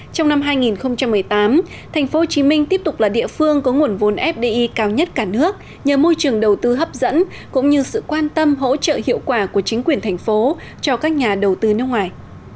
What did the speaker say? trong năm hai nghìn một mươi tám tp hcm tiếp tục là địa phương có nguồn vốn fdi cao nhất cả nước nhờ môi trường đầu tư hấp dẫn cũng như sự quan tâm hỗ trợ hiệu quả của chính quyền thành phố cho các nhà đầu tư nước ngoài